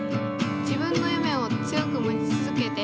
自分の夢を強く持ち続けて。